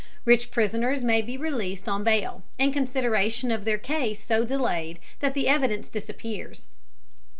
Rich prisoners may be released on bail, and consideration of their case so delayed that the evidence disappears.